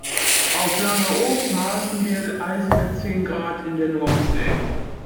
Auf Langeoog maßen wir eisige zehn Grad in der Nordsee.